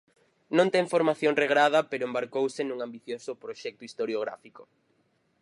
Non ten formación regrada pero embarcouse nun ambicioso proxecto historiográfico.